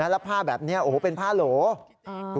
แล้วผ้าแบบนี้โอ้โหเป็นผ้าโหล